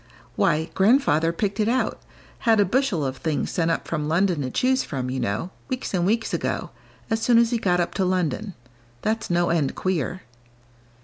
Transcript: "Why, Grandfather picked it out had a bushel of things sent up from London to choose from, you know, weeks and weeks ago, as soon as he got up to London. That's no end queer."